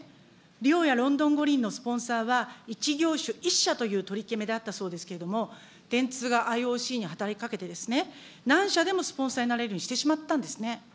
リオやロンドン五輪のスポンサーは、１業種１社という取り決めだったそうですけれども、電通がＩＯＣに働きかけてですね、何社でもスポンサーになれるようにしてしまったんですね。